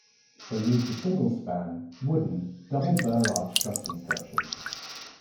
They used a single span, wooden, double Burr arch truss construction.